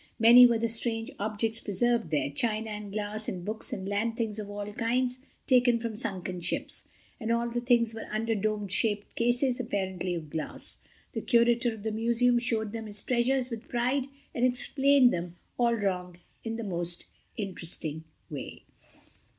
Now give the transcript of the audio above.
Many were the strange objects preserved there—china and glass and books and land things of all kinds, taken from sunken ships. And all the things were under dome shaped cases, apparently of glass. The Curator of the Museum showed them his treasures with pride, and explained them all wrong in the most interesting way.